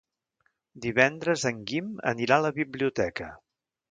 Divendres en Guim anirà a la biblioteca.